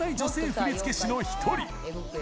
振付師の一人。